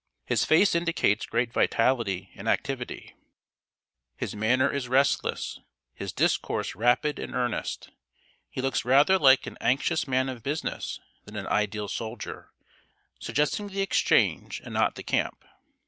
His face indicates great vitality and activity; his manner is restless; his discourse rapid and earnest. He looks rather like an anxious man of business than an ideal soldier, suggesting the exchange, and not the camp.